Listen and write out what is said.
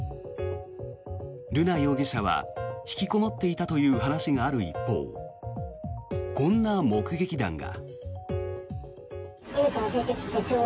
瑠奈容疑者は引きこもっていたという話がある一方こんな目撃談が。